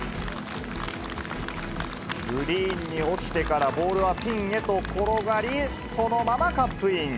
グリーンに落ちてから、ボールはピンへと転がり、そのままカップイン。